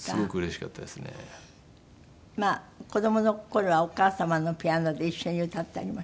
子供の頃はお母様のピアノで一緒に歌ったりも。